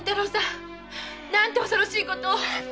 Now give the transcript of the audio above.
何て恐ろしいことを！